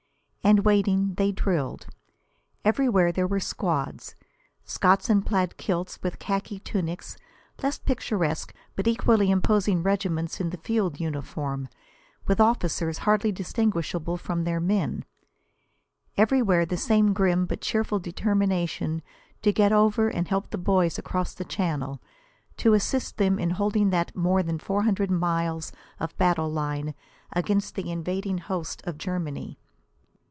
And waiting, they drilled. Everywhere there were squads: Scots in plaid kilts with khaki tunics; less picturesque but equally imposing regiments in the field uniform, with officers hardly distinguishable from their men. Everywhere the same grim but cheerful determination to get over and help the boys across the Channel to assist in holding that more than four hundred miles of battle line against the invading hosts of Germany.